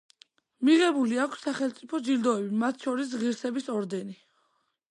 მიღებული აქვს სახელმწიფო ჯილდოები, მათ შორის ღირსების ორდენი.